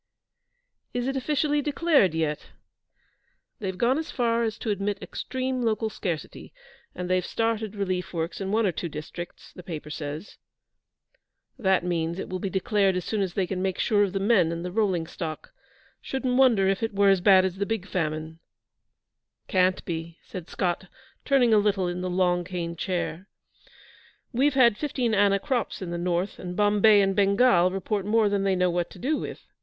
'Is it officially declared yet?' 'They've gone as far as to admit extreme local scarcity, and they've started relief works in one or two districts, the paper says.' 'That means it will be declared as soon as they can make sure of the men and the rolling stock. Shouldn't wonder if it were as bad as the Big Famine.' 'Can't be,' said Scott, turning a little in the long cane chair. 'We've had fifteen anna crops in the north, and Bombay and Bengal report more than they know what to do with.